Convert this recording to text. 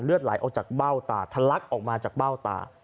ไหลออกจากเบ้าตาทะลักออกมาจากเบ้าตา